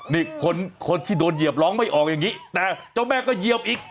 นี่คนที่โดนเหยียบร้องไม่ออกอย่างนี้แต่เจ้าแม่ก็เหยียบอีก